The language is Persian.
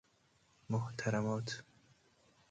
محترمات